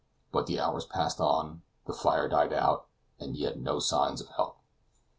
But the hours passed on; the fire died out; and yet no signs of help.